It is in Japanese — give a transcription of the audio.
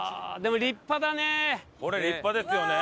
これ立派ですよね。